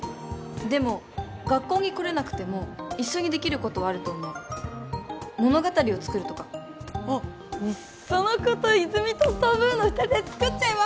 でも学校に来れなくても一緒にできることはあると思う物語をつくるとかいっそのこと泉とソブーの２人でつくっちゃえば？